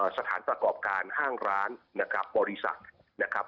สถานประกอบการห้างร้านนะครับบริษัทนะครับ